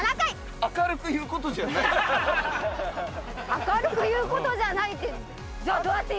明るく言うことじゃないってじゃあ。